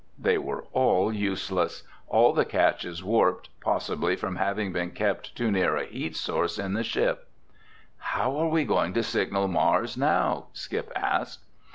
They were all useless, all the catches warped, possibly from having been kept too near a heat source in the ship. "How are we going to signal Mars now?" Skip asked.